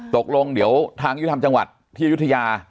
ตกลงเดี๋ยวทางยุทธรรมจังหวัดที่อายุทยา